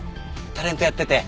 タレントやってて。